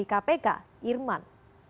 agus martowadoyo itu yang berkorupsi itu pak